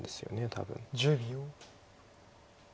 多分。